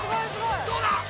どうだ？